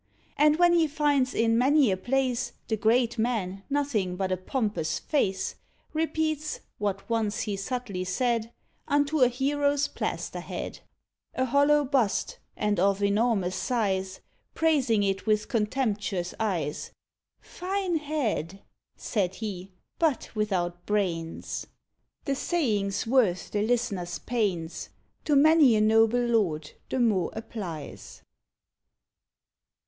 And when he finds in many a place The great man nothing but a pompous face, Repeats, what once he subtly said Unto a hero's plaster head A hollow bust, and of enormous size Praising it with contemptuous eyes, "Fine head," said he, "but without brains." The saving's worth the listener's pains; To many a noble lord the mot applies.